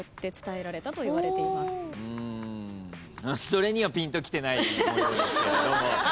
それにはぴんときてないもようですけれども。